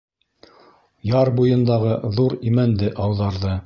Яр буйындағы ҙур имәнде ауҙарҙы.